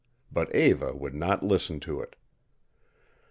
But Eva would not listen to it.